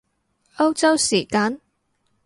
歐洲時間？